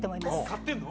買ってんの？